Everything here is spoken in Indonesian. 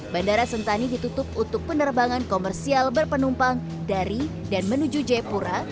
bandara sentani ditutup untuk penerbangan komersial berpenumpang dari dan menuju jayapura